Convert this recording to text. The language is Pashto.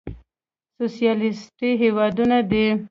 سوسيالېسټي هېوادونه دي.